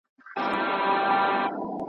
ګورو به نصیب ته په توپان کي بېړۍ څه وايي ,